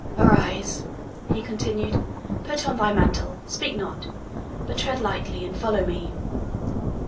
"Arise," he continued, "put on thy mantle; speak not, but tread lightly, and follow me."